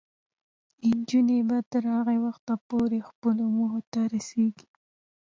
نجونې به تر هغه وخته پورې خپلو موخو ته رسیږي.